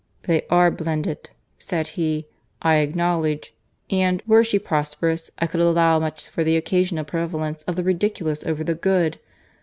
"They are blended," said he, "I acknowledge; and, were she prosperous, I could allow much for the occasional prevalence of the ridiculous over the good.